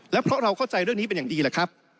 เพราะเราเข้าใจเรื่องนี้เป็นอย่างดีแหละครับ